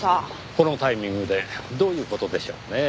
このタイミングでどういう事でしょうねぇ。